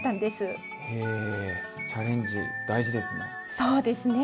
へえチャレンジ大事ですね！